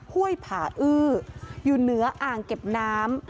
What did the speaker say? ห้วยผาอื้ออยู่เหนืออ่างเก็บน้ำ